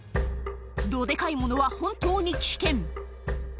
どでかいものは本当に危険。